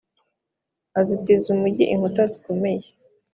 azitiza umugi inkuta zikomeye.